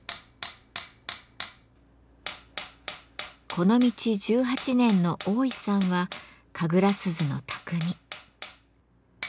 この道１８年の大井さんは神楽鈴の匠。